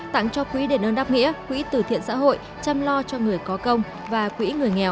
tặng cho quỹ đền ơn đáp nghĩa quỹ tử thiện xã hội chăm lo cho người có công và quỹ người nghèo